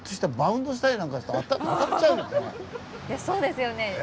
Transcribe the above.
そうですよね。